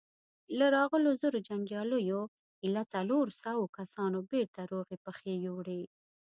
له راغلو زرو جنګياليو ايله څلورو سوو کسانو بېرته روغي پښې يووړې.